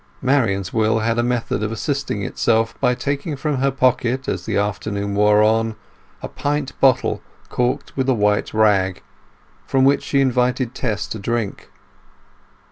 Marian's will had a method of assisting itself by taking from her pocket as the afternoon wore on a pint bottle corked with white rag, from which she invited Tess to drink.